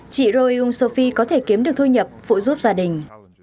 chị roeung sofi có thể kiếm được thu nhập phụ giúp gia đình